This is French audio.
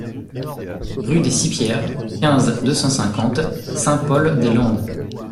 Rue des Cipières, quinze, deux cent cinquante Saint-Paul-des-Landes